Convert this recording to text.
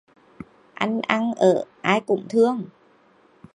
Anh ăn ở ai cũng thương